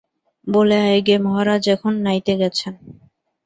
বলে আয় গে, মহারাজ এখন নাইতে গেছেন।